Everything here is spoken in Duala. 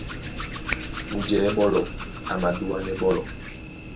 Mujɛ̌ɓólɔ a madúánɛ́ ɓɔ́lɔ̄.